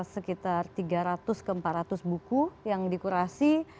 sekitar tiga ratus ke empat ratus buku yang dikurasi